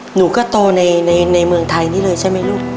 หนูก็โตในเมืองไทยนี่เลยใช่ไหมลูก